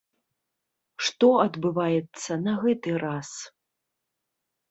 Што адбываецца на гэты раз?